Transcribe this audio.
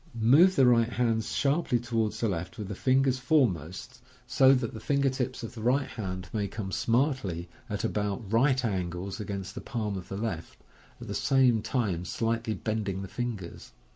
Move the right hand sharply towards the left, with the fingers foremost, so that the finger 152 MODERN MAGIC. tips of the right hand may come smartly, at about right angles, against the palm of the left, at the same time slightly bending the fingers.